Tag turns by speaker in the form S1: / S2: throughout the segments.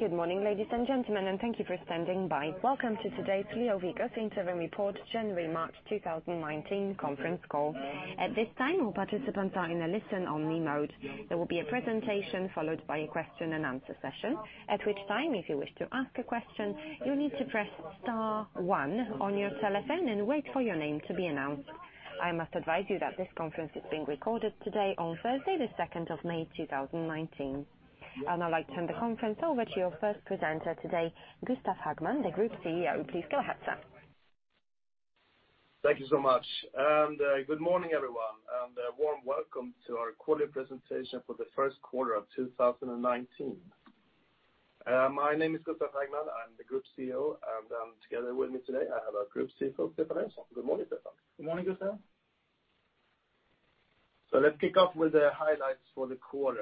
S1: Good morning, ladies and gentlemen, thank you for standing by. Welcome to today's LeoVegas Interim Report January, March 2019 conference call. At this time, all participants are in a listen-only mode. There will be a presentation followed by a question-and-answer session. At which time, if you wish to ask a question, you'll need to press star one on your telephone and wait for your name to be announced. I must advise you that this conference is being recorded today on Thursday, the 2nd of May 2019. I'd like to turn the conference over to your first presenter today, Gustaf Hagman, the Group CEO. Please go ahead, sir.
S2: Thank you so much. Good morning, everyone, a warm welcome to our quarterly presentation for the first quarter of 2019. My name is Gustaf Hagman. I'm the Group CEO, together with me today, I have our Group CFO, Stefan Nelson. Good morning, Stefan.
S3: Good morning, Gustaf.
S2: Let's kick off with the highlights for the quarter.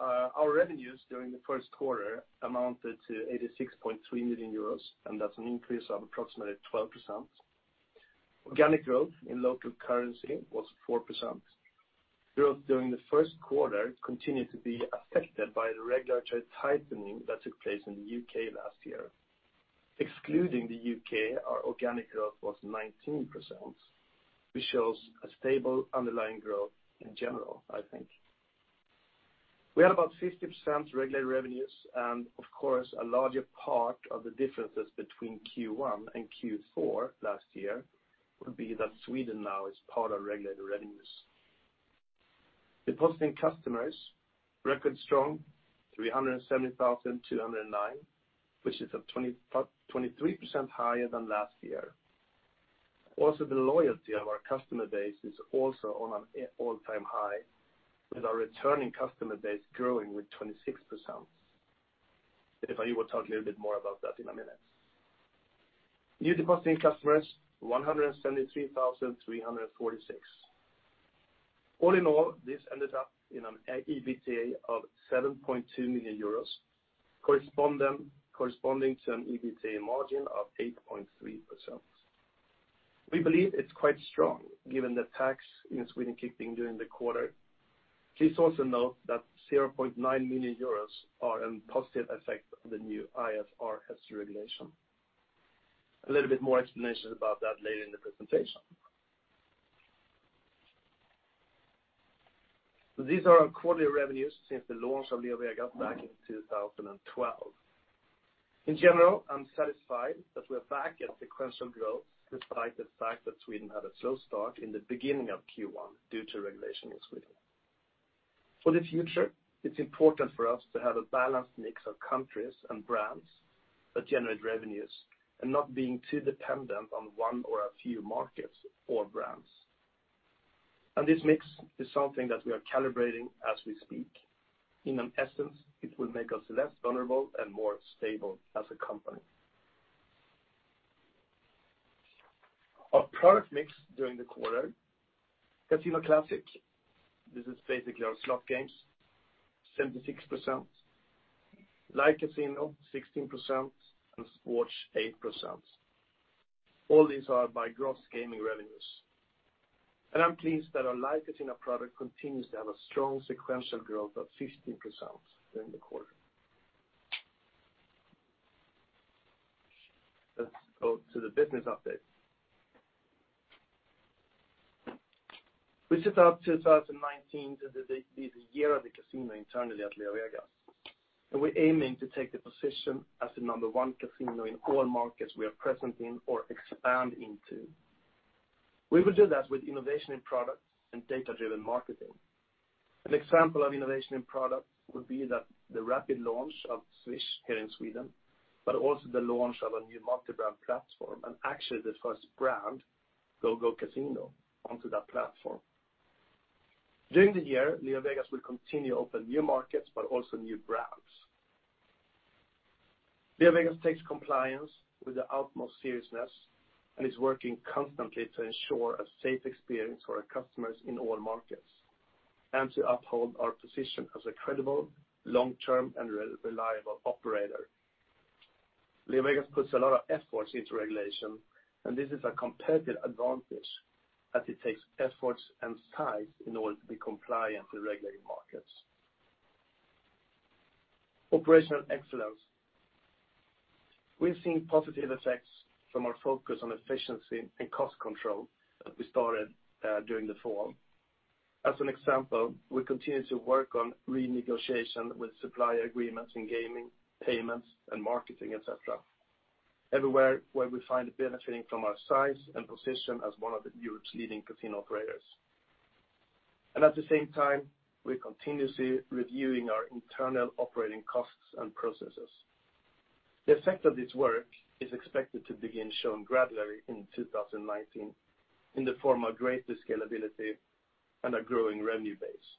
S2: Our revenues during the first quarter amounted to 86.3 million euros, that's an increase of approximately 12%. Organic growth in local currency was 4%. Growth during the first quarter continued to be affected by the regulatory tightening that took place in the U.K. last year. Excluding the U.K., our organic growth was 19%, which shows a stable underlying growth in general, I think. We had about 50% regulated revenues, of course, a larger part of the differences between Q1 and Q4 last year would be that Sweden now is part of regulated revenues. Depositing customers, record strong, 370,209, which is up 23% higher than last year. The loyalty of our customer base is also on an all-time high, with our returning customer base growing with 26%. Stefan will talk a little bit more about that in a minute. New depositing customers, 173,346. All in all, this ended up in an EBITDA of 7.2 million euros corresponding to an EBITDA margin of 8.3%. We believe it's quite strong given the tax in Sweden keeping during the quarter. Please also note that 0.9 million euros are in positive effect of the new IFRS regulation. A little bit more explanation about that later in the presentation. These are our quarterly revenues since the launch of LeoVegas back in 2012. In general, I'm satisfied that we're back at sequential growth despite the fact that Sweden had a slow start in the beginning of Q1 due to regulation in Sweden. For the future, it's important for us to have a balanced mix of countries and brands that generate revenues and not being too dependent on one or a few markets or brands. This mix is something that we are calibrating as we speak. In an essence, it will make us less vulnerable and more stable as a company. Our product mix during the quarter, casino classic, this is basically our slot games, 76%, Live Casino 16% and Sports 8%. All these are by gross gaming revenues. I'm pleased that our Live Casino product continues to have a strong sequential growth of 15% during the quarter. Let's go to the business update. We set out 2019 to be the year of the casino internally at LeoVegas, and we're aiming to take the position as the number one casino in all markets we are present in or expand into. We will do that with innovation in products and data-driven marketing. An example of innovation in products would be that the rapid launch of Swish here in Sweden, but also the launch of a new multi-brand platform and actually the first brand, GoGoCasino, onto that platform. During the year, LeoVegas will continue to open new markets, but also new brands. LeoVegas takes compliance with the utmost seriousness and is working constantly to ensure a safe experience for our customers in all markets and to uphold our position as a credible, long-term, and reliable operator. LeoVegas puts a lot of efforts into regulation, and this is a competitive advantage as it takes efforts and size in order to be compliant with regulated markets. Operational excellence. We've seen positive effects from our focus on efficiency and cost control that we started during the fall. As an example, we continue to work on renegotiation with supplier agreements in gaming, payments, and marketing, et cetera, everywhere where we find benefiting from our size and position as one of the Europe's leading casino operators. At the same time, we're continuously reviewing our internal operating costs and processes. The effect of this work is expected to begin showing gradually in 2019 in the form of greater scalability and a growing revenue base.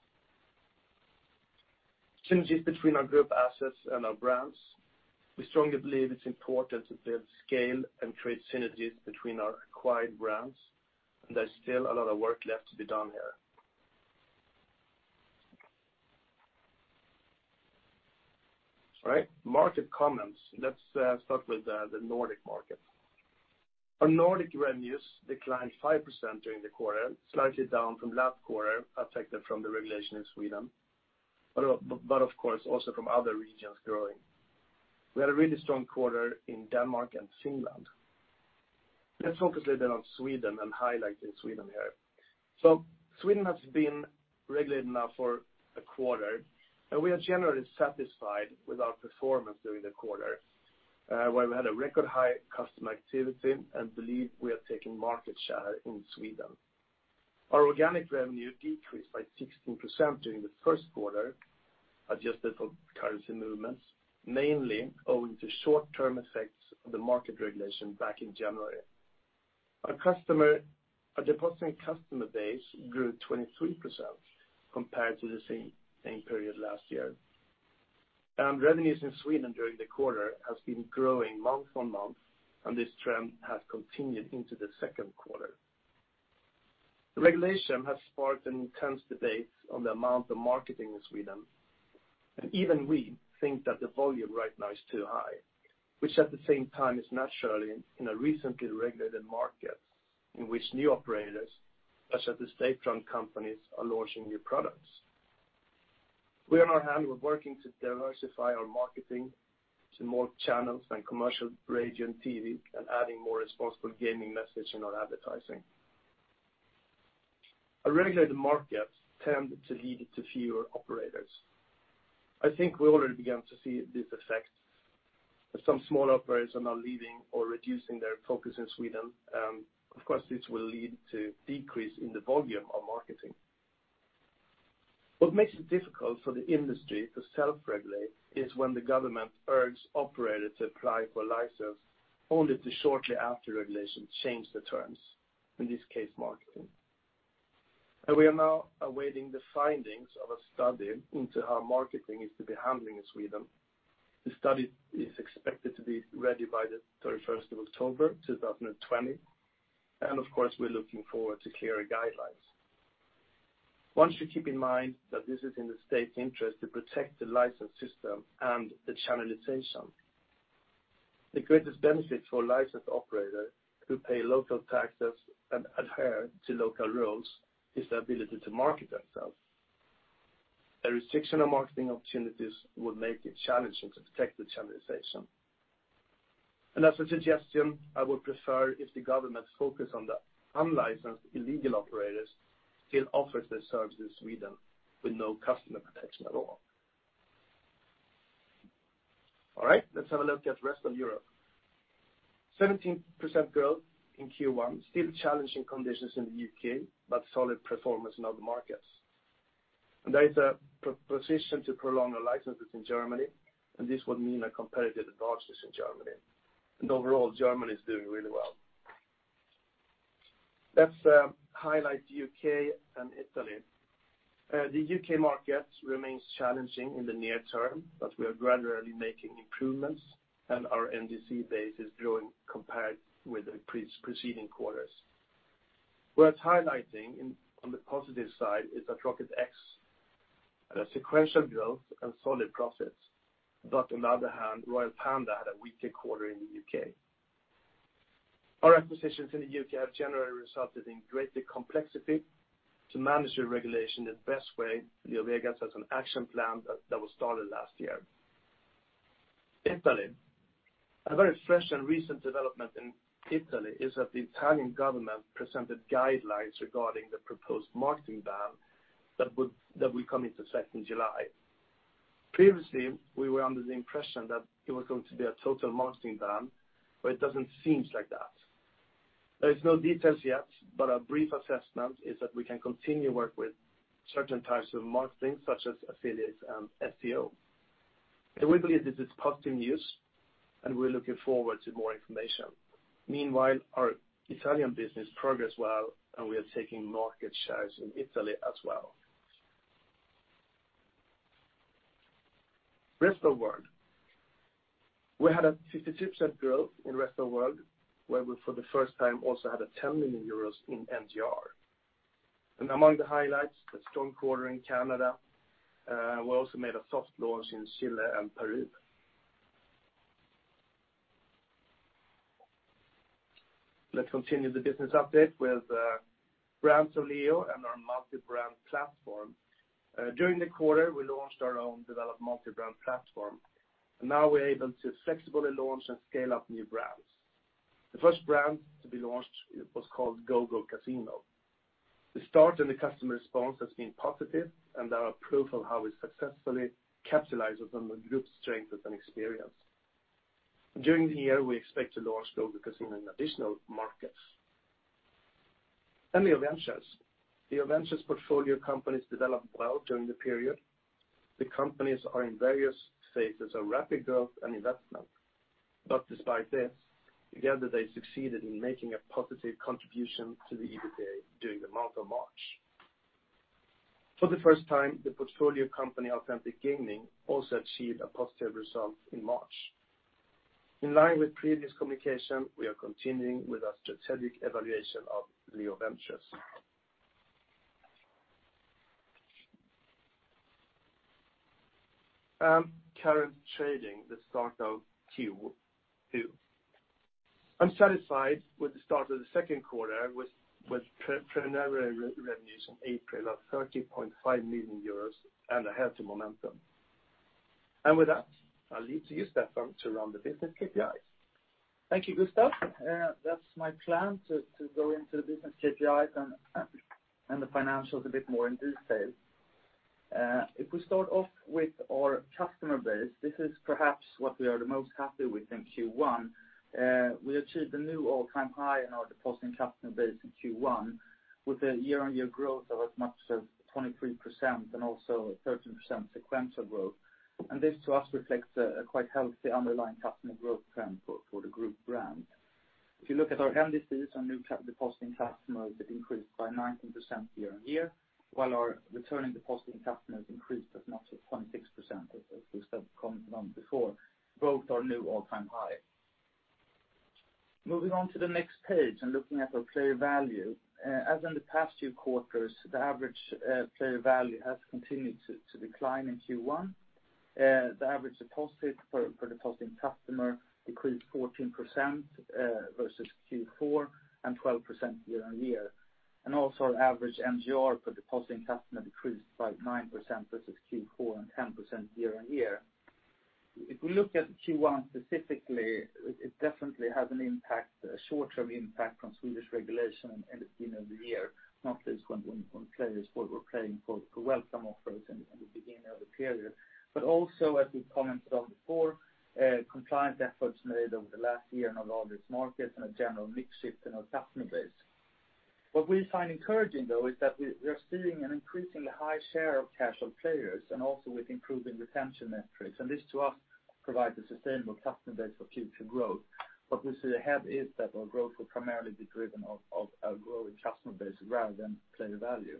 S2: Synergies between our group assets and our brands. We strongly believe it's important to build scale and create synergies between our acquired brands, and there's still a lot of work left to be done here. All right. Market comments. Let's start with the Nordic market. Our Nordic revenues declined 5% during the quarter, slightly down from last quarter, affected from the regulation in Sweden, but of course also from other regions growing. We had a really strong quarter in Denmark and Finland. Focus a little on Sweden and highlight Sweden here. Sweden has been regulated now for a quarter, and we are generally satisfied with our performance during the quarter, where we had a record high customer activity and believe we are taking market share in Sweden. Our organic revenue decreased by 16% during the first quarter, adjusted for currency movements, mainly owing to short-term effects of the market regulation back in January. Our depositing customer base grew 23% compared to the same period last year. Revenues in Sweden during the quarter has been growing month-on-month, and this trend has continued into the second quarter. The regulation has sparked an intense debate on the amount of marketing in Sweden, even we think that the volume right now is too high, which at the same time is naturally in a recently regulated market, in which new operators, such as the state-run companies, are launching new products. We on our hand, we are working to diversify our marketing to more channels than commercial radio and TV and adding more responsible gaming messaging on advertising. A regulated market tend to lead to fewer operators. I think we already began to see this effect, as some small operators are now leaving or reducing their focus in Sweden. Of course, this will lead to decrease in the volume of marketing. What makes it difficult for the industry to self-regulate is when the government urges operators to apply for license only to shortly after regulation change the terms, in this case, marketing. We are now awaiting the findings of a study into how marketing is to be handled in Sweden. The study is expected to be ready by the 31st of October 2020. Of course, we are looking forward to clearer guidelines. One should keep in mind that this is in the state's interest to protect the license system and the channelization. The greatest benefit for a licensed operator who pay local taxes and adhere to local rules is the ability to market themselves. A restriction on marketing opportunities would make it challenging to protect the channelization. As a suggestion, I would prefer if the government focus on the unlicensed illegal operators, still offers their service in Sweden with no customer protection at all. Let's have a look at Rest of Europe. 17% growth in Q1. Still challenging conditions in the U.K., but solid performance in other markets. There is a proposition to prolong the licenses in Germany, and this would mean a competitive advantage in Germany. Overall, Germany is doing really well. Let's highlight U.K. and Italy. The U.K. market remains challenging in the near term, but we are gradually making improvements and our NDC base is growing compared with the preceding quarters. Worth highlighting on the positive side is that Rocket X had a sequential growth and solid profits, but on the other hand, Royal Panda had a weaker quarter in the U.K. Our acquisitions in the U.K. have generally resulted in greater complexity to manage the regulation in the best way. LeoVegas has an action plan that was started last year. Italy. A very fresh and recent development in Italy is that the Italian government presented guidelines regarding the proposed marketing ban that will come into effect in July. Previously, we were under the impression that it was going to be a total marketing ban, but it doesn't seem like that. There is no details yet, but our brief assessment is that we can continue work with certain types of marketing, such as affiliates and SEO. We believe this is positive news, and we're looking forward to more information. Meanwhile, our Italian business progress well, and we are taking market shares in Italy as well. Rest of World. We had a 56% growth in Rest of World, where we, for the first time, also had a 10 million euros in MGR. Among the highlights, a strong quarter in Canada, we also made a soft launch in Chile and Peru. Let's continue the business update with brands of Leo and our multi-brand platform. During the quarter, we launched our own developed multi-brand platform. Now we're able to flexibly launch and scale up new brands. The first brand to be launched was called GoGoCasino. The start and the customer response has been positive and are proof of how we successfully capitalize on the group's strengths and experience. During the year, we expect to launch GoGoCasino in additional markets. LeoVentures. LeoVentures portfolio companies developed well during the period. The companies are in various phases of rapid growth and investment. Despite this, together, they succeeded in making a positive contribution to the EBITDA during the month of March. For the first time, the portfolio company, Authentic Gaming, also achieved a positive result in March. In line with previous communication, we are continuing with our strategic evaluation of LeoVentures. Current trading the start of Q2. I'm satisfied with the start of the second quarter with preliminary revenues in April of 30.5 million euros and a healthy momentum. With that, I'll leave to Jesper to run the business KPIs.
S3: Thank you, Gustaf. That's my plan to go into the business KPIs and the financials a bit more in detail. If we start off with our customer base, this is perhaps what we are the most happy with in Q1. We achieved a new all-time high in our depositing customer base in Q1 with a year-on-year growth of as much as 23% and also a 13% sequential growth. This, to us, reflects a quite healthy underlying customer growth trend for the group brand. If you look at our NDC, our new depositing customers increased by 19% year-on-year, while our returning depositing customers increased as much as 26% as Gustaf commented on before, both are new all-time high. Moving on to the next page and looking at our player value. As in the past two quarters, the average player value has continued to decline in Q1. The average deposit per depositing customer decreased 14% versus Q4 and 12% year-on-year. Our average MGR per depositing customer decreased by 9% versus Q4 and 10% year-on-year. If we look at Q1 specifically, it definitely has a short-term impact from Swedish regulation and the beginning of the year, not least when players were playing for welcome offers in the beginning of the period. Also as we've commented on before, compliance efforts made over the last year in our largest markets and a general mix shift in our customer base. What we find encouraging though, is that we are seeing an increasingly high share of casual players and also with improving retention metrics. This to us provides a sustainable customer base for future growth. What we see ahead is that our growth will primarily be driven off of a growing customer base rather than player value.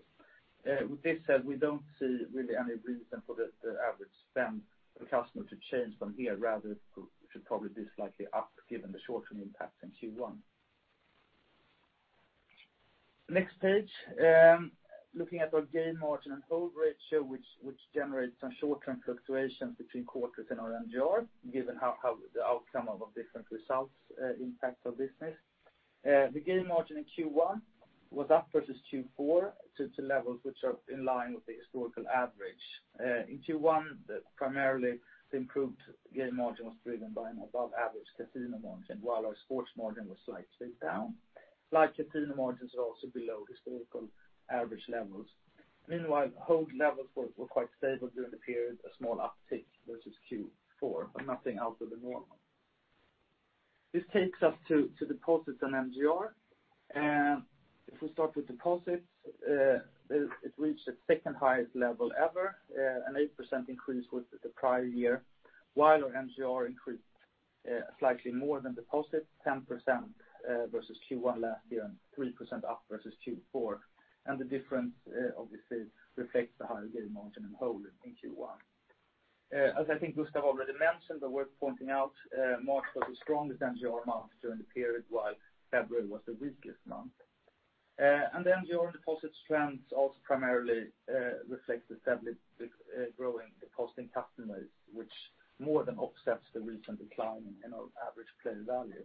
S3: With this said, we don't see really any reason for the average spend per customer to change from here, rather it should probably be slightly up given the short-term impact in Q1. Next page, looking at our game margin and hold rate share, which generates some short-term fluctuations between quarters in our MGR, given how the outcome of different results impacts our business. The game margin in Q1 was up versus Q4 to levels which are in line with the historical average. In Q1, primarily the improved game margin was driven by an above-average casino margin, while our sports margin was slightly down. Live Casino margins were also below historical average levels. Meanwhile, hold levels were quite stable during the period, a small uptick versus Q4, but nothing out of the normal. This takes us to deposits and MGR. If we start with deposits, it reached its second highest level ever, an 8% increase with the prior year. Our MGR increased slightly more than deposit, 10% versus Q1 last year and 3% up versus Q4. The difference obviously reflects the higher game margin on hold in Q1. As I think Gustaf already mentioned, but worth pointing out, March was the strongest MGR month during the period, while February was the weakest month. The MGR deposit trends also primarily reflect the steadily growing depositing customers, which more than offsets the recent decline in our average player value.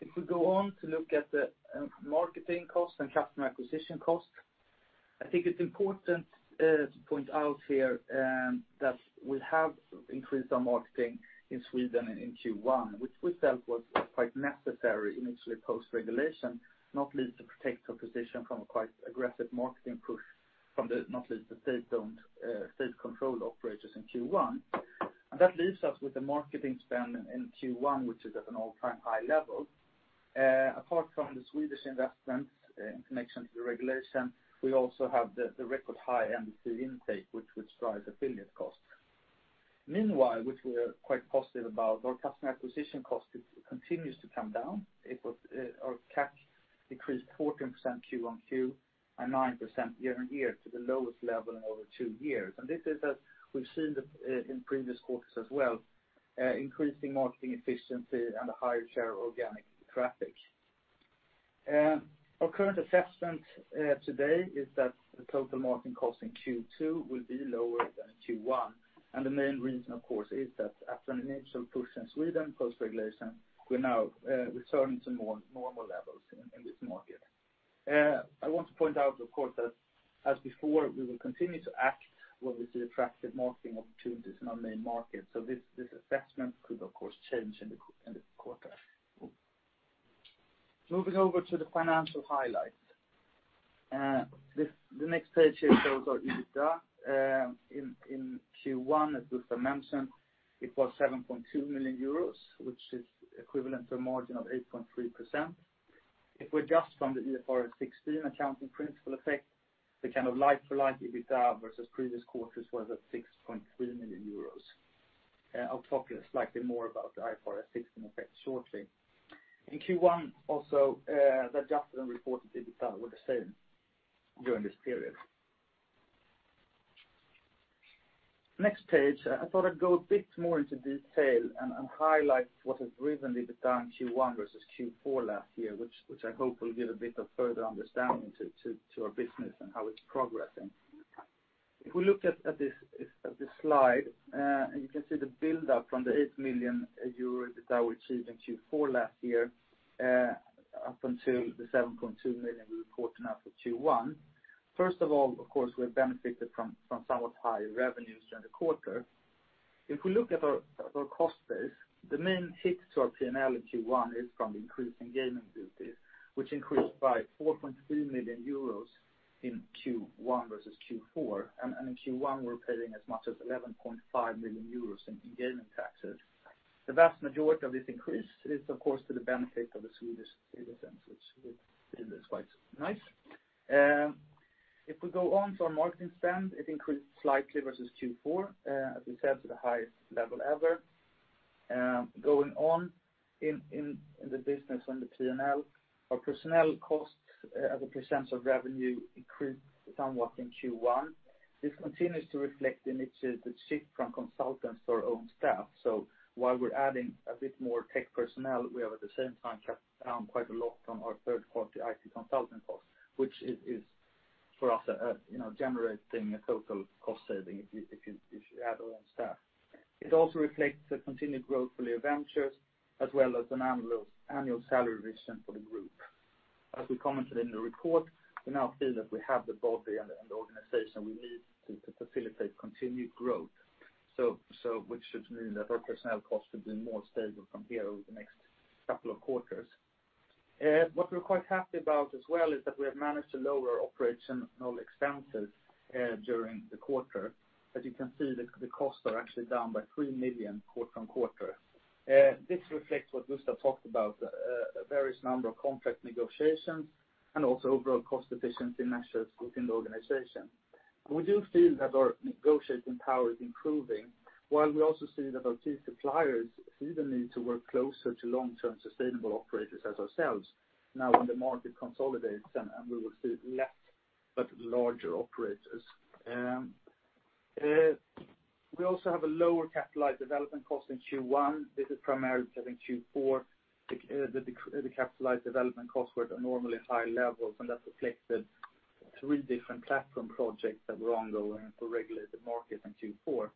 S3: If we go on to look at the marketing cost and customer acquisition cost, I think it's important to point out here that we have increased our marketing in Sweden in Q1, which we felt was quite necessary initially post-regulation, not least to protect our position from a quite aggressive marketing push from the, not least the state-controlled operators in Q1. That leaves us with the marketing spend in Q1, which is at an all-time high level. Apart from the Swedish investment in connection to the regulation, we also have the record high NDC intake, which drives affiliate costs. Meanwhile, which we are quite positive about, our customer acquisition cost continues to come down. Our CAC decreased 14% Q on Q and 9% year-on-year to the lowest level in over two years. This is, as we've seen in previous quarters as well, increasing marketing efficiency and a higher share of organic traffic. Our current assessment today is that the total marketing cost in Q2 will be lower than Q1. The main reason, of course, is that after an initial push in Sweden post-regulation, we are now returning to more normal levels in this market. I want to point out, of course, that as before, we will continue to act where we see attractive marketing opportunities in our main markets. This assessment could of course change in the quarter. Moving over to the financial highlights. The next page shows our EBITDA. In Q1, as Gustaf mentioned, it was 7.2 million euros, which is equivalent to a margin of 8.3%. If we adjust from the IFRS 16 accounting principle effect, the like-for-like EBITDA versus previous quarters was at 6.3 million euros. I will talk slightly more about the IFRS 16 effect shortly. In Q1 also, the adjusted and reported EBITDA were the same during this period. Next page, I thought I would go a bit more into detail and highlight what has driven the decline in Q1 versus Q4 last year, which I hope will give a bit of further understanding to our business and how it is progressing. If we look at this slide, you can see the buildup from the 8 million euro that we achieved in Q4 last year, up until the 7.2 million we report now for Q1. First of all, of course, we have benefited from somewhat higher revenues during the quarter. If we look at our cost base, the main hit to our P&L in Q1 is from the increase in gaming duties, which increased by 4.3 million euros in Q1 versus Q4. In Q1, we are paying as much as 11.5 million euros in gaming taxes. The vast majority of this increase is, of course, to the benefit of the Swedish state, which is quite nice. If we go on to our marketing spend, it increased slightly versus Q4, as we said, to the highest level ever. Going on in the business on the P&L, our personnel costs as a % of revenue increased somewhat in Q1. This continues to reflect the shift from consultants to our own staff. While we are adding a bit more tech personnel, we have at the same time cut down quite a lot on our third-party IT consultant costs, which is for us generating a total cost saving if you add our own staff. It also reflects the continued growth for LeoVentures as well as an annual salary revision for the group. As we commented in the report, we now feel that we have the body and the organization we need to facilitate continued growth. This should mean that our personnel costs should be more stable from here over the next couple of quarters. What we are quite happy about as well is that we have managed to lower our operational expenses during the quarter. As you can see, the costs are actually down by 3 million quarter-over-quarter. This reflects what Gustaf talked about, various number of contract negotiations and also overall cost efficiency measures within the organization. We do feel that our negotiating power is improving, while we also see that our key suppliers see the need to work closer to long-term sustainable operators as ourselves now when the market consolidates, and we will see less but larger operators. We also have a lower capitalized development cost in Q1. This is primarily because in Q4, the capitalized development costs were at abnormally high levels, and that reflected three different platform projects that were ongoing for regulated market in Q4.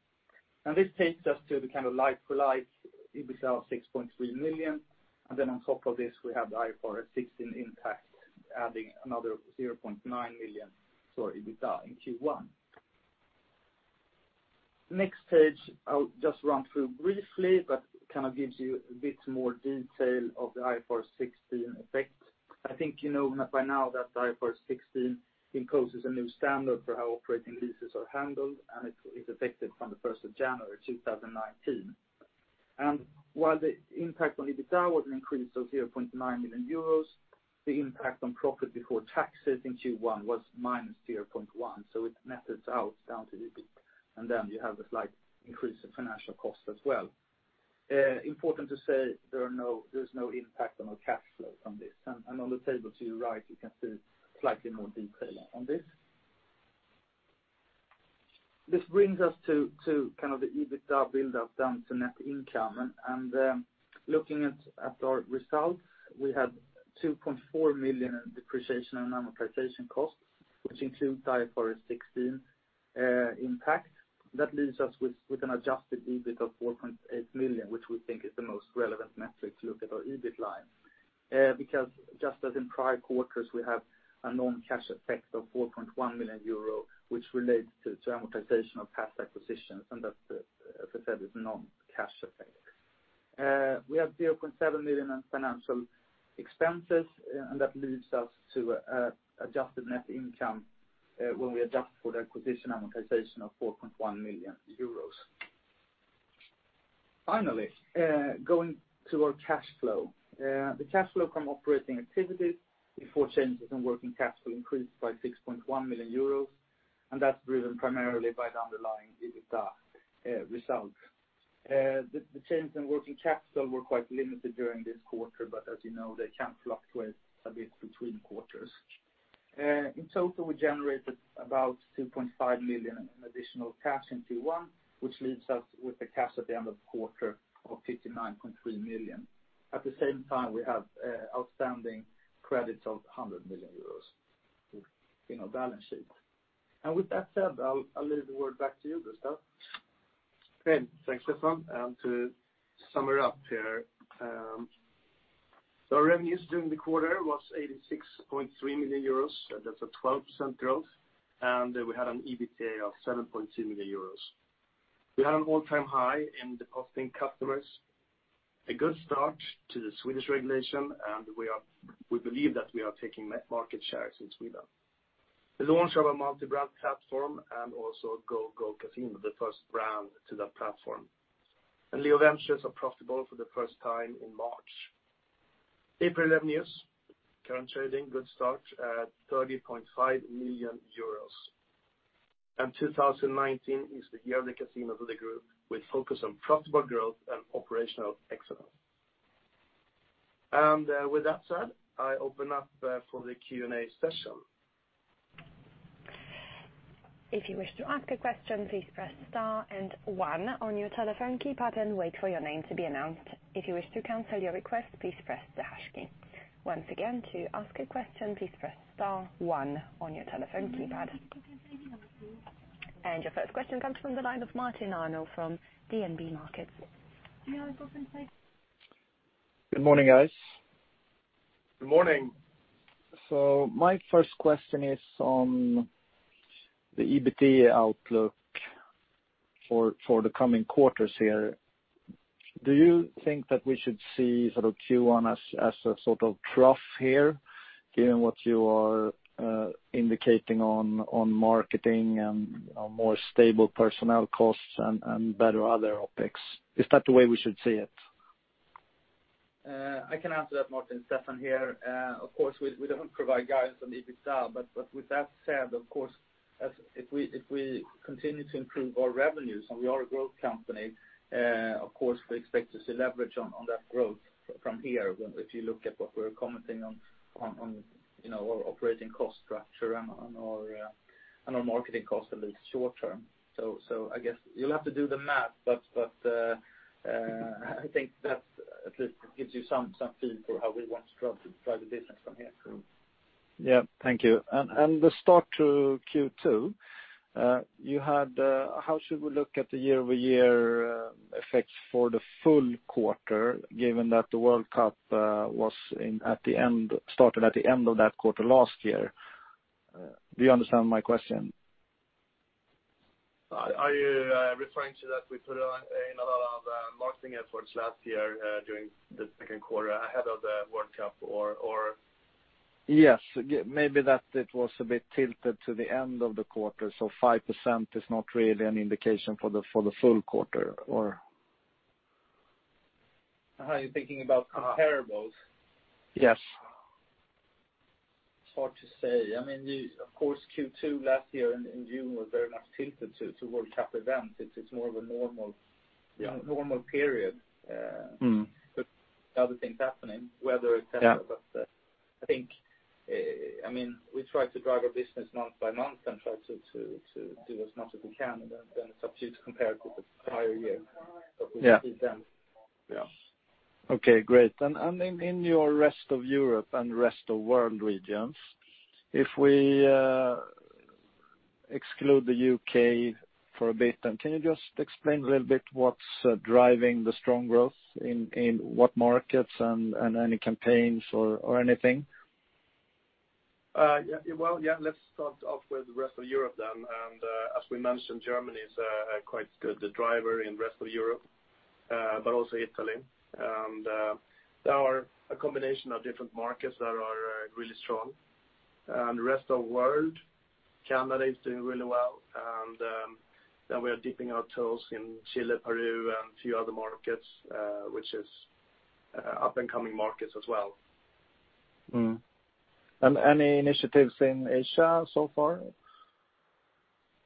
S3: Now this takes us to the like-for-like EBITDA of 6.3 million. Then on top of this, we have the IFRS 16 impact adding another 0.9 million for EBITDA in Q1. Next page, I'll just run through briefly, but kind of gives you a bit more detail of the IFRS 16 effect. I think you know by now that the IFRS 16 imposes a new standard for how operating leases are handled, and it's effective from the 1st of January 2019. While the impact on EBITDA was an increase of 0.9 million euros, the impact on profit before taxes in Q1 was -0.1, so it netted out down to EBITDA. Then you have the slight increase in financial cost as well. Important to say, there's no impact on our cash flow from this. On the table to your right, you can see slightly more detail on this. This brings us to the EBITDA build up down to net income. Looking at our results, we had 2.4 million in depreciation and amortization costs, which includes the IFRS 16 impact. That leaves us with an adjusted EBIT of 4.8 million, which we think is the most relevant metric to look at our EBIT line. Just as in prior quarters, we have a non-cash effect of 4.1 million euro, which relates to amortization of past acquisitions. That, as I said, is non-cash effect. We have 0.7 million in financial expenses, and that leaves us to adjusted net income when we adjust for the acquisition amortization of 4.1 million euros. Finally, going to our cash flow. The cash flow from operating activities before changes in working capital increased by 6.1 million euros, and that's driven primarily by the underlying EBITDA result. The change in working capital were quite limited during this quarter, but as you know, they can fluctuate a bit between quarters. In total, we generated about 2.5 million in additional cash in Q1, which leaves us with the cash at the end of the quarter of 59.3 million. At the same time, we have outstanding credits of 100 million euros in our balance sheet. With that said, I'll leave the word back to you, Gustaf.
S2: Great. Thanks, Stefan. To sum it up here. Our revenues during the quarter was 86.3 million euros. That's a 12% growth. We had an EBITDA of 7.2 million euros. We had an all-time high in depositing customers, a good start to the Swedish regulation, and we believe that we are taking market share in Sweden. The launch of our multi-brand platform and also GoGoCasino, the first brand to that platform. LeoVentures are profitable for the first time in March. April revenue, current trading, good start at 30.5 million euros. 2019 is the year of the casino for the group, with focus on profitable growth and operational excellence.
S3: With that said, I open up for the Q&A session.
S1: If you wish to ask a question, please press Star and One on your telephone keypad and wait for your name to be announced. If you wish to cancel your request, please press the Hash key. Once again, to ask a question, please press Star One on your telephone keypad. Can you hear me now, please? Your first question comes from the line of Martin Arnell from DNB Markets. Can you hear me now, please?
S4: Good morning, guys.
S3: Good morning.
S4: My first question is on the EBIT outlook for the coming quarters here. Do you think that we should see Q1 as a sort of trough here, given what you are indicating on marketing and more stable personnel costs and better other OpEx? Is that the way we should see it?
S3: I can answer that, Martin. Stefan here. Of course, we don't provide guidance on EBITDA, but with that said, if we continue to improve our revenues, and we are a growth company, of course, we expect to see leverage on that growth from here. If you look at what we're commenting on our operating cost structure and our marketing cost a little shorter. I guess you'll have to do the math, but I think that at least gives you some feel for how we want to drive the business from here.
S4: Yeah. Thank you. The start to Q2, how should we look at the year-over-year effects for the full quarter, given that the World Cup started at the end of that quarter last year? Do you understand my question?
S3: Are you referring to that we put in a lot of marketing efforts last year during the second quarter ahead of the World Cup, or?
S4: Yes. Maybe that it was a bit tilted to the end of the quarter, so 5% is not really an indication for the full quarter, or
S3: Are you thinking about comparables?
S4: Yes.
S3: It's hard to say. Of course, Q2 last year in June was very much tilted to World Cup event. It's more of a normal period- With other things happening, whether it-
S4: Yeah
S3: I think we try to drive our business month by month and try to do as much as we can, then it is up to you to compare it with the prior year.
S4: Yeah.
S3: We see them. Yeah.
S4: Okay, great. In your rest of Europe and rest of world regions, if we exclude the U.K. for a bit, can you just explain a little bit what is driving the strong growth? In what markets and any campaigns or anything?
S3: Well, yeah. Let us start off with rest of Europe then. As we mentioned, Germany is quite a good driver in rest of Europe, but also Italy. There are a combination of different markets that are really strong. Rest of world, Canada is doing really well. We are dipping our toes in Chile, Peru, and a few other markets, which is up and coming markets as well.
S4: any initiatives in Asia so far?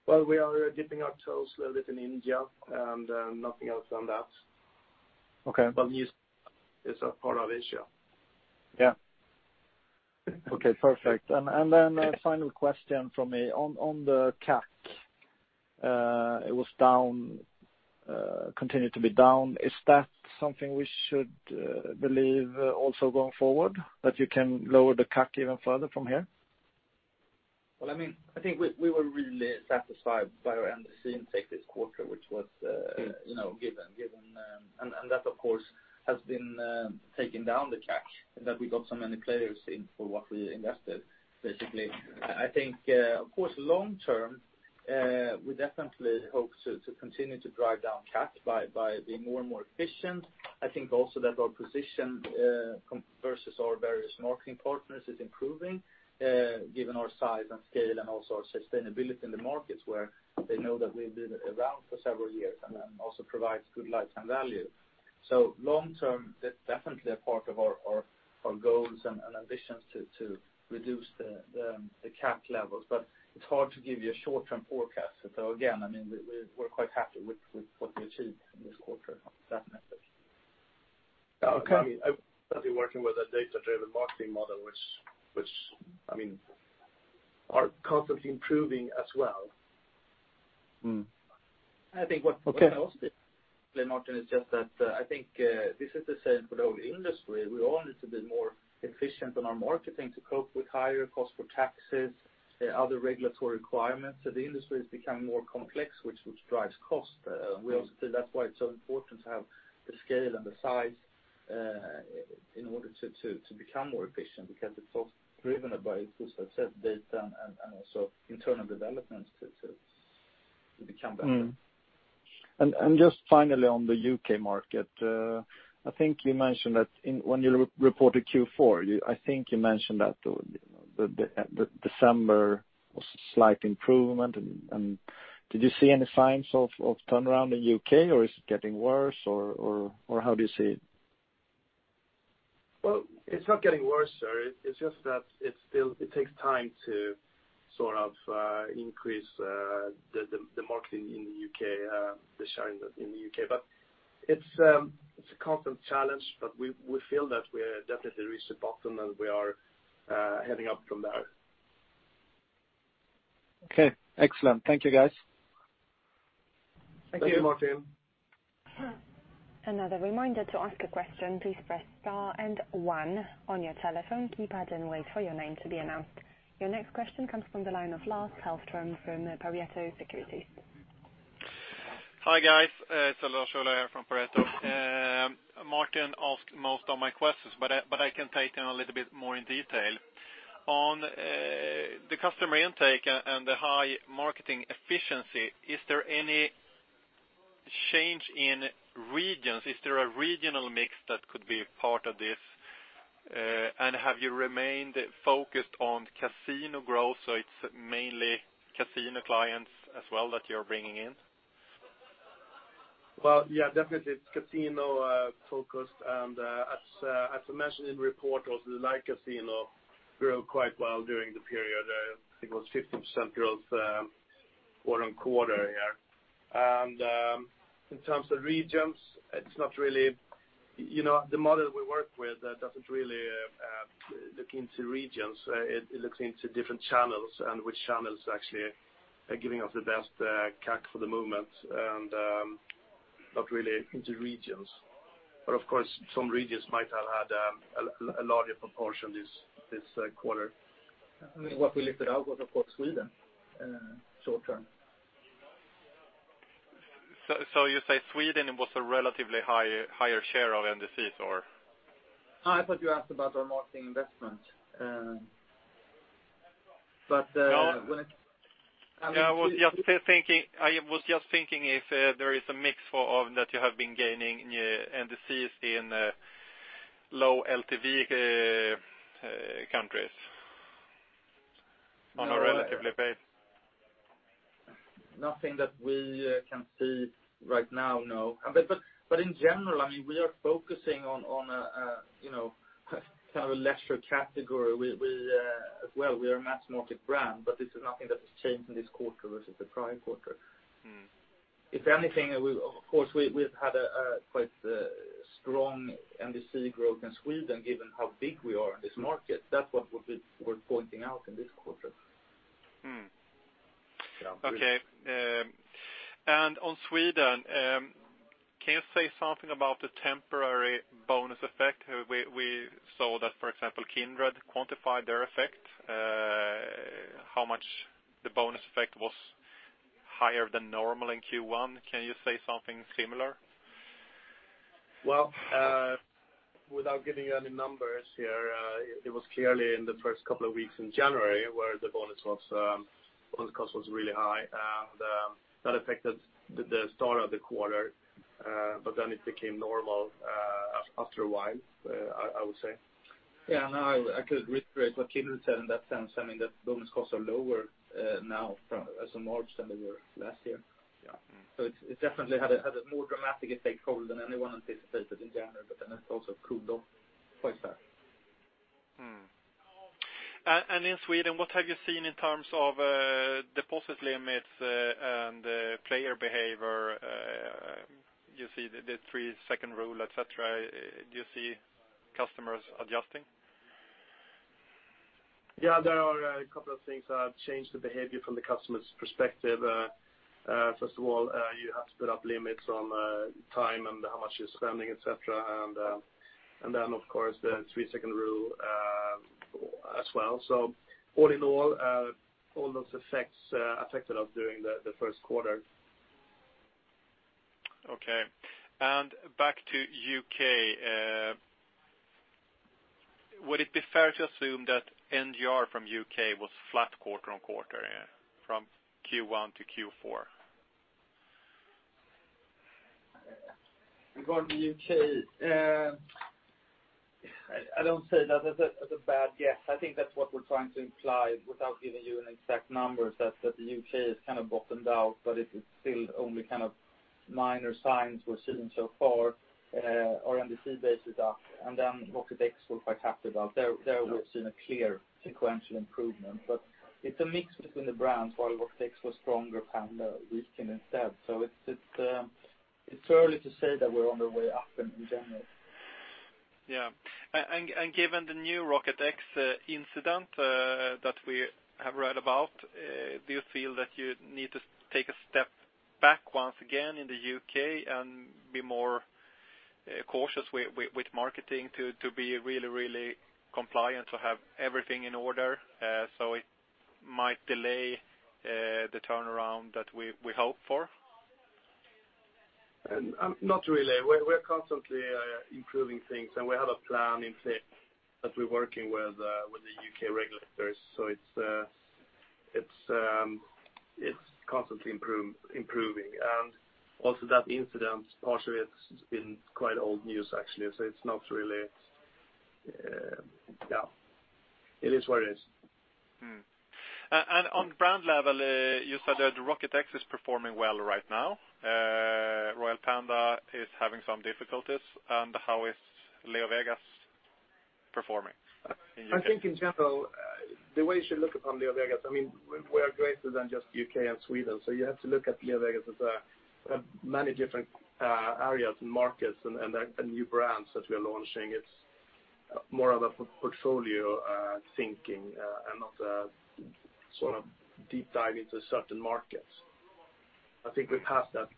S3: Well, we are dipping our toes a little bit in India and nothing else on that.
S4: Okay.
S3: It's a part of Asia.
S4: Yeah. Okay, perfect. A final question from me. On the CAC, it continued to be down. Is that something we should believe also going forward, that you can lower the CAC even further from here?
S3: I think we were really satisfied by our NDC intake this quarter, which was given. That, of course, has been taking down the CAC, in that we got so many players in for what we invested, basically. I think, of course, long-term, we definitely hope to continue to drive down CAC by being more and more efficient. I think also that our position versus our various marketing partners is improving, given our size and scale and also our sustainability in the markets where they know that we've been around for several years and also provides good lifetime value. Long-term, that's definitely a part of our goals and ambitions to reduce the CAC levels. It's hard to give you a short-term forecast. Again, we're quite happy with what we achieved in this quarter on that method.
S4: Okay.
S3: I've been working with a data-driven marketing model, which are constantly improving as well.
S4: Okay.
S2: I think what Martin is just that I think this is the same for the whole industry. We all need to be more efficient on our marketing to cope with higher cost for taxes, other regulatory requirements. The industry is becoming more complex, which drives cost. That's why it's so important to have the scale and the size in order to become more efficient because it's also driven by, as you said, data and also internal developments to become better.
S4: Mm-hmm. Just finally on the U.K. market, when you reported Q4, I think you mentioned that the December was a slight improvement. Did you see any signs of turnaround in U.K. or is it getting worse or how do you see it?
S3: Well, it's not getting worse. It's just that it takes time to
S2: Sort of increase the marketing in the U.K., the sharing in the U.K. It's a constant challenge, but we feel that we definitely reached the bottom and we are heading up from there.
S4: Okay, excellent. Thank you, guys.
S2: Thank you.
S3: Thank you, Martin.
S1: Another reminder to ask a question, please press star and one on your telephone keypad and wait for your name to be announced. Your next question comes from the line of Lars-Ola Hellström from Pareto Securities.
S5: Hi, guys. It's Lars-Ola Hellström from Pareto. Martin asked most of my questions, but I can take them a little bit more in detail. On the customer intake and the high marketing efficiency, is there any change in regions? Is there a regional mix that could be part of this? Have you remained focused on casino growth, so it's mainly casino clients as well that you're bringing in?
S2: Well, yeah, definitely it's casino-focused. As I mentioned in the report also, Live Casino grew quite well during the period. I think it was 15% growth, quarter-on-quarter here. In terms of regions, the model we work with doesn't really look into regions. It looks into different channels and which channels actually are giving us the best CAC for the moment, and not really into regions. Of course, some regions might have had a larger proportion this quarter.
S3: What we lifted out was, of course, Sweden, short-term.
S5: You say Sweden was a relatively higher share of NDCs, or?
S3: No, I thought you asked about our marketing investment.
S5: No, I was just thinking if there is a mix that you have been gaining NDCs in low LTV countries on a relatively base.
S3: Nothing that we can see right now, no. In general, we are focusing on a lesser category. We are a mass-market brand, but this is nothing that has changed in this quarter versus the prior quarter. If anything, of course, we've had a quite strong NDC growth in Sweden, given how big we are in this market. That's what we're pointing out in this quarter.
S5: Okay. On Sweden, can you say something about the temporary bonus effect? We saw that, for example, Kindred quantified their effect, how much the bonus effect was higher than normal in Q1. Can you say something similar?
S2: Without giving you any numbers here, it was clearly in the first couple of weeks in January where the bonus cost was really high, and that affected the start of the quarter, but then it became normal after a while, I would say.
S3: I could reiterate what Kindred said in that sense. I mean that bonus costs are lower now as of March than they were last year.
S2: Yeah.
S3: It definitely had a more dramatic effect total than anyone anticipated in January, but then it also cooled off quite fast.
S5: In Sweden, what have you seen in terms of deposit limits and player behavior? You see the three-second rule, et cetera. Do you see customers adjusting?
S2: Yeah, there are a couple of things that have changed the behavior from the customer's perspective. First of all, you have to put up limits on time and how much you're spending, et cetera. Then of course, the three-second rule as well. All in all those affected us during the first quarter.
S5: Okay. Back to U.K., would it be fair to assume that NGR from U.K. was flat quarter-on-quarter from Q1 to Q4?
S2: Regarding U.K., I don't say that as a bad guess. I think that's what we're trying to imply without giving you an exact number is that the U.K. has kind of bottomed out, but it is still only kind of minor signs we're seeing so far. Our NDC base is up, and then Rocket X we're quite happy about. There we've seen a clear sequential improvement. It's a mix between the brands. While Rocket X was stronger, Panda weakened instead. It's early to say that we're on the way up in general.
S5: Yeah. Given the new Rocket X incident that we have read about, do you feel that you need to take a step back once again in the U.K. and be more cautious with marketing to be really compliant, to have everything in order, so it might delay the turnaround that we hope for?
S2: Not really. We're constantly improving things, and we have a plan in place that we're working with the U.K. regulators. It's constantly improving. Also that incident, partially it's been quite old news, actually. It's not really. It is what it is.
S5: Hmm. On brand level, you said that Rocket X is performing well right now. Royal Panda is having some difficulties and how is LeoVegas performing?
S2: I think in general, the way you should look upon LeoVegas, we're greater than just U.K. and Sweden. You have to look at LeoVegas as many different areas and markets and new brands that we are launching. It's more of a portfolio thinking and not a deep dive into certain markets. I think we're past that.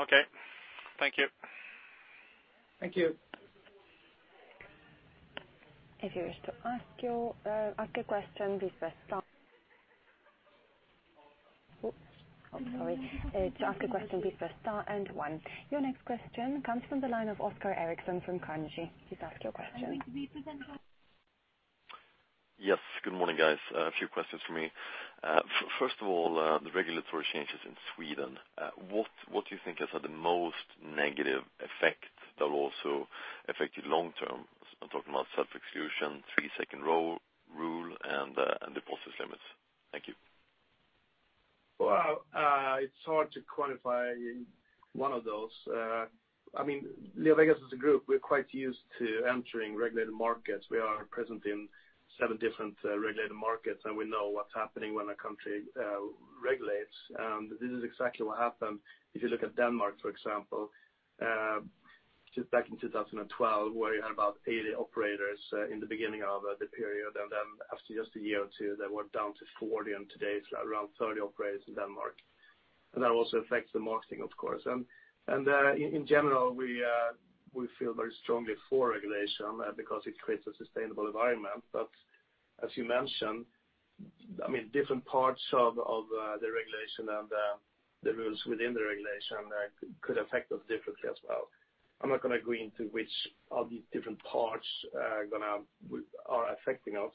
S5: Okay. Thank you.
S2: Thank you.
S1: If you wish to ask a question, please press star. Oops! I'm sorry. To ask a question, please press star and one. Your next question comes from the line of Oskar Eriksson from Carnegie. Please ask your question.
S6: Yes, good morning, guys. A few questions from me. First of all, the regulatory changes in Sweden. What do you think has had the most negative effect that will also affect you long-term? I'm talking about self-exclusion, three-second rule, and deposits limits. Thank you.
S2: Well, it's hard to quantify one of those. LeoVegas as a group, we're quite used to entering regulated markets. We are present in seven different regulated markets. We know what's happening when a country regulates. This is exactly what happened if you look at Denmark, for example, back in 2012, where you had about 80 operators in the beginning of the period. Then after just a year or two, they were down to 40, and today it's around 30 operators in Denmark. That also affects the marketing, of course. In general, we feel very strongly for regulation because it creates a sustainable environment. As you mentioned, different parts of the regulation and the rules within the regulation could affect us differently as well. I'm not going to go into which of these different parts are affecting us.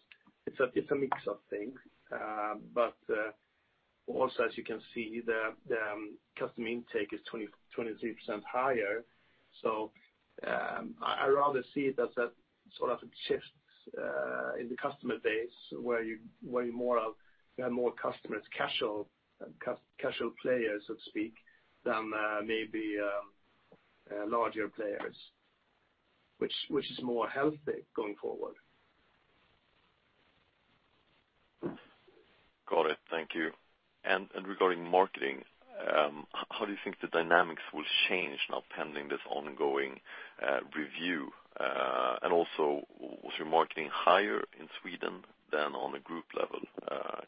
S2: It's a mix of things. As you can see, the customer intake is 23% higher. I rather see it as a sort of shifts in the customer base where you have more customers, casual players, so to speak, than maybe larger players, which is more healthy going forward.
S6: Got it. Thank you. Regarding marketing, how do you think the dynamics will change now pending this ongoing review? Also, was your marketing higher in Sweden than on a group level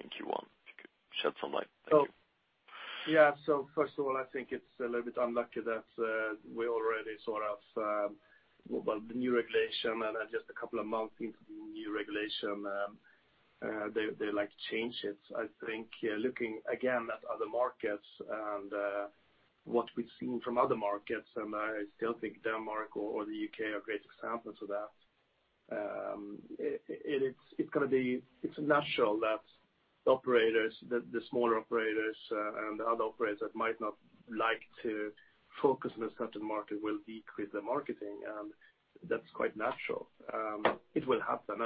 S6: in Q1? If you could shed some light. Thank you.
S2: Yeah. First of all, I think it's a little bit unlucky that we already sort of, well, the new regulation and just a couple of months into the new regulation, they change it. I think looking again at other markets and what we've seen from other markets, I still think Denmark or the U.K. are great examples of that. It's natural that the smaller operators, and the other operators that might not like to focus on a certain market will decrease their marketing, and that's quite natural. It will happen.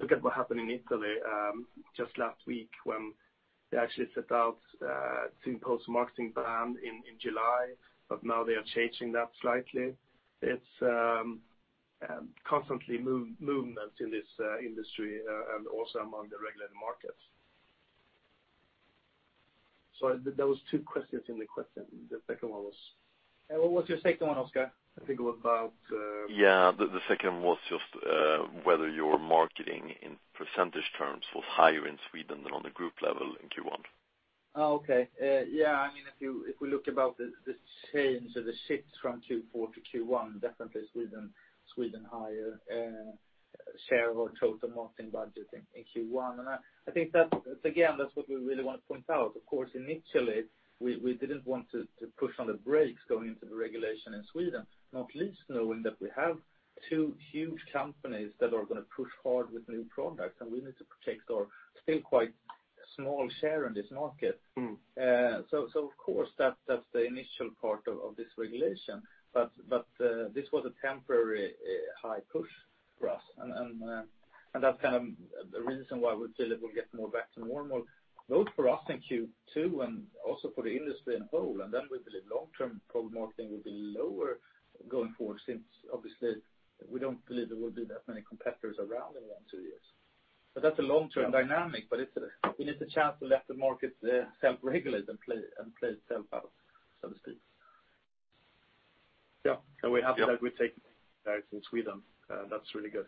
S2: Look at what happened in Italy just last week when they actually set out to impose a marketing ban in July, but now they are changing that slightly. It's constantly movement in this industry, and also among the regulated markets. There was two questions in the question. The second one was? What was your second one, Oskar?
S6: the second was just whether your marketing in % terms was higher in Sweden than on the group level in Q1.
S2: if we look about the change of the shift from Q4 to Q1, definitely Sweden higher share of our total marketing budget in Q1. I think that, again, that's what we really want to point out. Of course, initially, we didn't want to push on the brakes going into the regulation in Sweden, not least knowing that we have two huge companies that are going to push hard with new products, and we need to protect our still quite small share in this market. of course, that's the initial part of this regulation. this was a temporary high push for us. that's kind of the reason why we feel it will get more back to normal, both for us in Q2 and also for the industry on the whole. then we believe long-term program marketing will be lower going forward, since obviously we don't believe there will be that many competitors around in one, two years. that's a long-term dynamic, but we need the chance to let the market self-regulate and play itself out, so to speak. we're happy that we take that in Sweden. That's really good.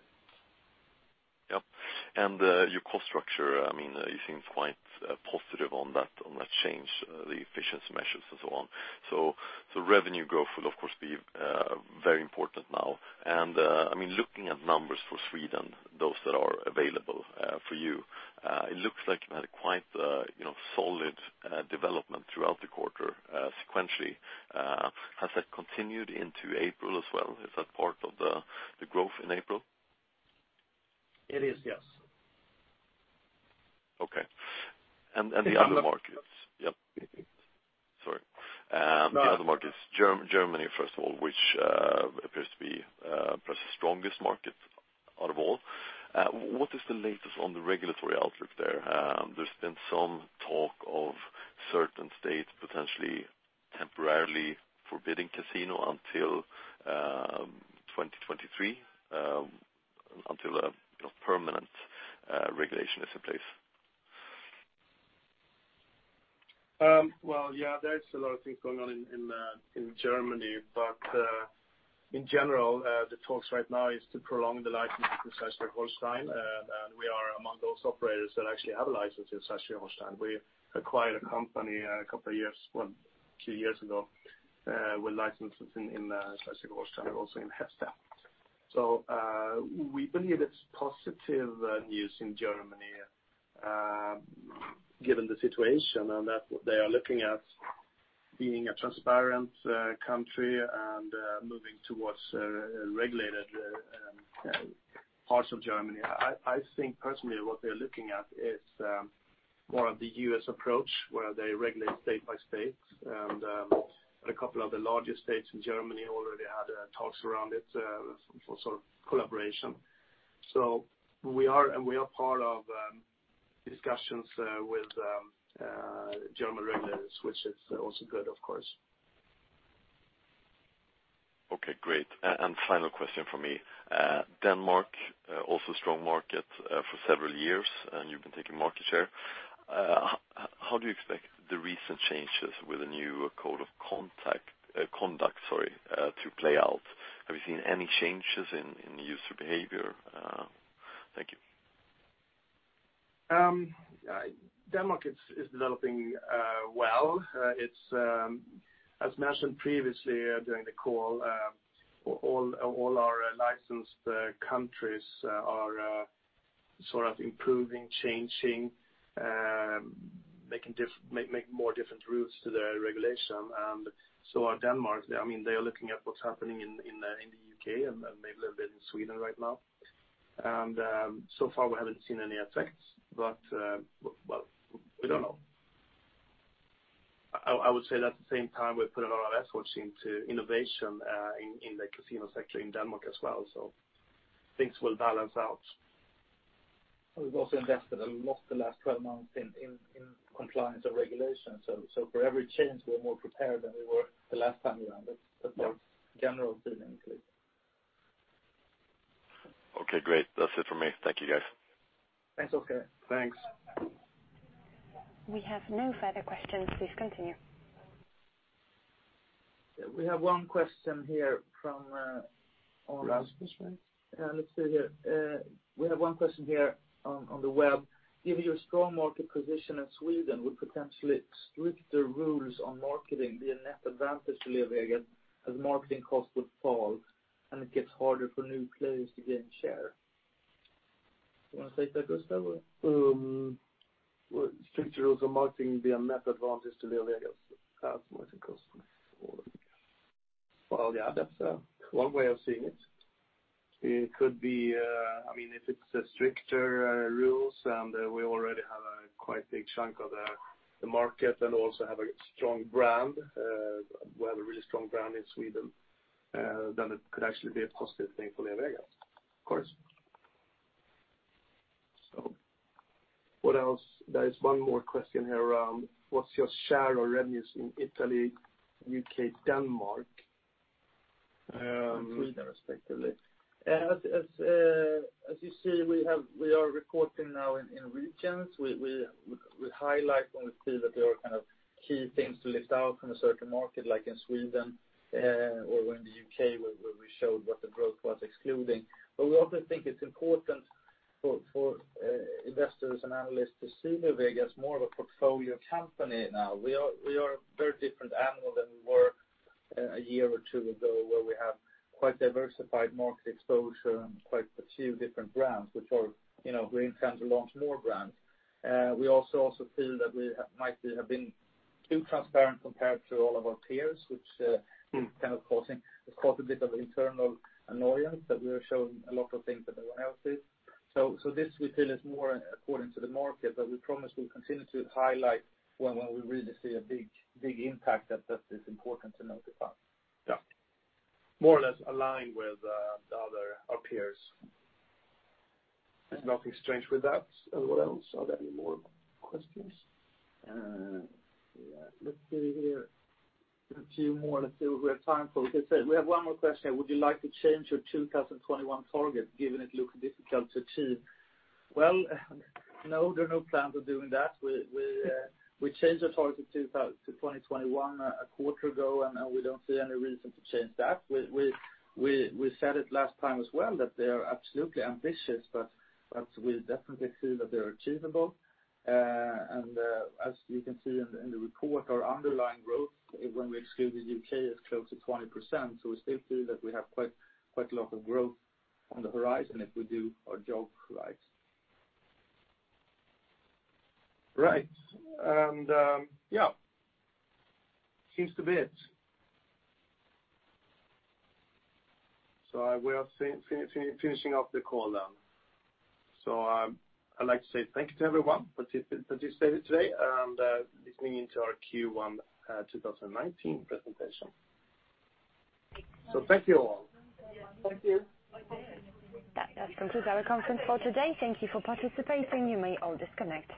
S6: your cost structure, you seem quite positive on that change, the efficiency measures and so on. revenue growth will of course be very important now. looking at numbers for Sweden, those that are available for you, it looks like you had a quite solid development throughout the quarter sequentially. Has that continued into April as well? Is that part of the growth in April?
S2: It is, yes.
S6: Okay. The other markets? The other markets, Germany, first of all, which appears to be perhaps the strongest market out of all. What is the latest on the regulatory outlook there? There's been some talk of certain states potentially temporarily forbidding casino until 2023, until a permanent regulation is in place.
S2: There's a lot of things going on in Germany. In general, the talks right now is to prolong the license in Schleswig-Holstein, and we are among those operators that actually have a license in Schleswig-Holstein. We acquired a company a few years ago with licenses in Schleswig-Holstein, also in Hesse. We believe it's positive news in Germany given the situation, and that they are looking at being a transparent country and moving towards regulated parts of Germany. I think personally, what they're looking at is more of the U.S. approach, where they regulate state by state, and a couple of the largest states in Germany already had talks around it for sort of collaboration. We are part of discussions with German regulators, which is also good, of course.
S6: Okay, great. Final question from me. Denmark, also a strong market for several years, and you've been taking market share. How do you expect the recent changes with the new code of conduct to play out? Have you seen any changes in user behavior? Thank you.
S2: Denmark is developing well. As mentioned previously during the call, all our licensed countries are sort of improving, changing, making more different routes to the regulation, and so are Denmark. They are looking at what's happening in the U.K. and maybe a little bit in Sweden right now. So far we haven't seen any effects, well, we don't know. I would say that at the same time, we put a lot of efforts into innovation in the casino sector in Denmark as well, so things will balance out.
S3: We've also invested a lot the last 12 months in compliance and regulation. For every change, we are more prepared than we were the last time around. That's our general feeling.
S6: Okay, great. That's it for me. Thank you, guys.
S3: Thanks, Oskar.
S2: Thanks.
S1: We have no further questions. Please continue.
S3: We have one question here on the web. Given your strong market position in Sweden, would potentially stricter rules on marketing be a net advantage to LeoVegas as marketing costs would fall and it gets harder for new players to gain share? Do you want to take that, Gustaf, or?
S2: Would stricter rules on marketing be a net advantage to LeoVegas as marketing costs would fall? Well, yeah. That's one way of seeing it. If it's stricter rules and we already have a quite big chunk of the market and also have a strong brand, we have a really strong brand in Sweden, then it could actually be a positive thing for LeoVegas.
S3: Of course.
S2: What else? There is one more question here. What's your share or revenues in Italy, U.K., Denmark, and Sweden respectively?
S3: As you see, we are reporting now in regions. We highlight when we see that there are kind of key things to lift out from a certain market, like in Sweden, or in the U.K. where we showed what the growth was excluding. We also think it's important for investors and analysts to see LeoVegas more of a portfolio company now. We are a very different animal than we were a year or two ago, where we have quite diversified market exposure and quite a few different brands, which we intend to launch more brands. We also feel that we might have been too transparent compared to all of our peers, which kind of has caused a bit of internal annoyance that we are showing a lot of things that everyone else is. This we feel is more according to the market, but we promise we'll continue to highlight when we really see a big impact that is important to notice.
S2: Yeah. More or less aligned with our peers. There's nothing strange with that. What else? Are there any more questions?
S3: Let's see here. A few more. Let's see what we have time for. We have one more question. Would you like to change your 2021 target, given it looks difficult to achieve? Well, no, there are no plans of doing that. We changed the target to 2021 a quarter ago. We don't see any reason to change that. We said it last time as well, that they are absolutely ambitious. We definitely feel that they're achievable. As you can see in the report, our underlying growth when we exclude the U.K. is close to 20%. We still feel that we have quite a lot of growth on the horizon if we do our job right.
S2: Right. Seems to be it. We are finishing off the call now. I'd like to say thank you to everyone participating today and listening in to our Q1 2019 presentation. Thank you all.
S3: Thank you.
S1: That concludes our conference for today. Thank you for participating. You may all disconnect.